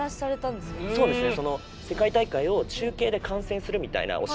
そうですね。